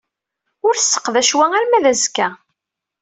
Ur sseqdac wa arma d azekka.